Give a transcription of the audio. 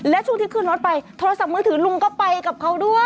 และช่วงที่ขึ้นรถไปโทรศัพท์มือถือลุงก็ไปกับเขาด้วย